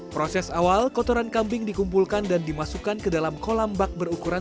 proses awal kotoran kambing dikumpulkan dan dimasukkan ke dalam kolam bak berukuran